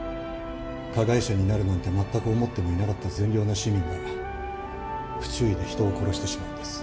加害者になるなんてまったく思ってもいなかった善良な市民が不注意で人を殺してしまうんです。